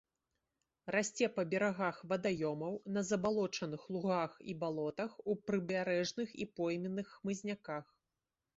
Расце па берагах вадаёмаў, на забалочаных лугах і балотах, у прыбярэжных і пойменных хмызняках.